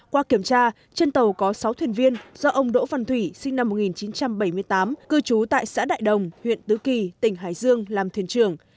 qua kiểm tra trên tàu có sáu thuyền viên do ông đỗ văn thủy sinh năm một nghìn chín trăm bảy mươi tám cư trú tại xã đại đồng huyện tứ kỳ tỉnh hải dương làm thuyền trưởng